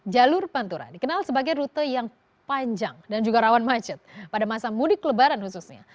jalur pantura dikenal sebagai rute yang panjang dan juga rawan macet pada masa mudik lebaran khususnya